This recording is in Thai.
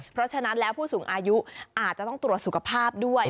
เพราะฉะนั้นแล้วผู้สูงอายุอาจจะต้องตรวจสุขภาพด้วย